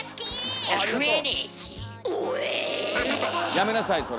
やめなさいそれ。